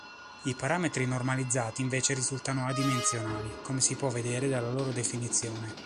I parametri normalizzati invece risultano adimensionali, come si può vedere dalla loro definizione.